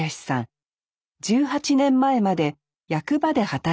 １８年前まで役場で働いていました。